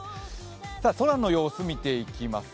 空の様子を見ていきます。